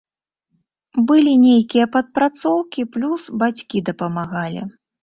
Былі нейкія падпрацоўкі, плюс бацькі дапамагалі.